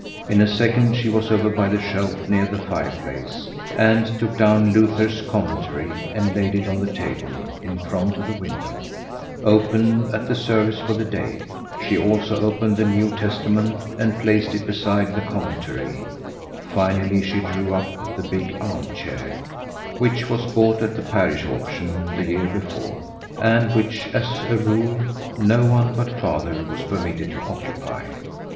In a second she was over by the shelf near the fireplace, and took down Luther's Commentary and laid it on the table, in front of the window opened at the service for the day. She also opened the New Testament, and placed it beside the Commentary. Finally, she drew up the big arm chair, which was bought at the parish auction the year before, and which, as a rule, no one but father was permitted to occupy.